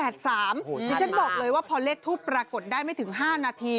ดิฉันบอกเลยว่าพอเลขทูปปรากฏได้ไม่ถึง๕นาที